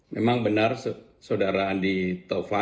memang benar saudara andi taufan